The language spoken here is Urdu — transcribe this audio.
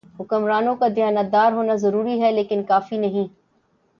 حکمرانوں کا دیانتدار ہونا ضروری ہے لیکن کافی نہیں۔